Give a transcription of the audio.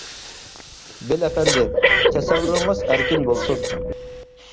بېل ئەپەندى : تەسەۋۋۇرىڭىز ئەركىن بولسۇن!